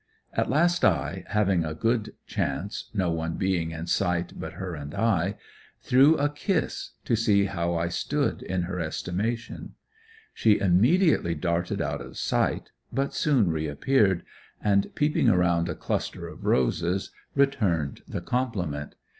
At last I, having a good chance, no one being in sight but her and I, threw a kiss, to see how I stood in her estimation. She immediately darted out of sight, but soon re appeared and peeping around a cluster of roses, returned the compliment.